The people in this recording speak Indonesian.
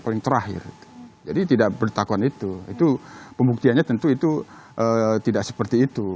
paling terakhir jadi tidak bertakuan itu itu pembuktiannya tentu itu tidak seperti itu